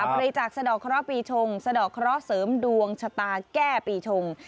บริจาคสะดอกเคราะห์ปีชงสะดอกเคราะห์เสริมดวงชะตาแก้ปีชง